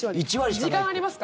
時間ありますか？